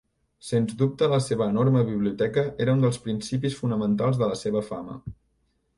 Sens dubte la seva enorme biblioteca era un dels principis fonamentals de la seva fama.